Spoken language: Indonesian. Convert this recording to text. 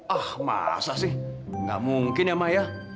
ah masa sih gak mungkin ya maya